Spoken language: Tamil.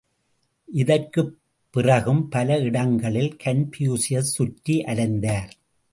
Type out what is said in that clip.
இதற்குப் பிறகும் பல இடங்களில் கன்பூசியஸ் சுற்றி அலைந்தார்.